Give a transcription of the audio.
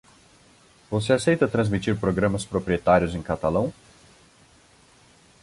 Você aceita transmitir programas proprietários em catalão?